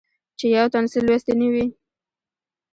چې يو تن څۀ لوستي نۀ وي